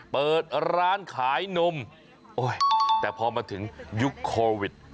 เปิดร้านขายนมแต่พอมาถึงยุคโควิด